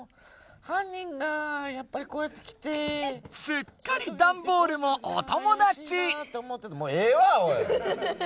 すっかりダンボールもお友だち！